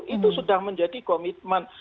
itu sudah menjadi komitmen